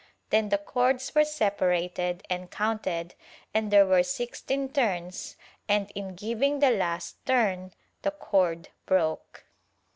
Then the cords were separated and counted, and there were sixteen turns, and in giving the last turn the cord broke.